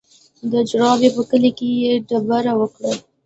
د جروبي په کلي کې یې دېره وکړه.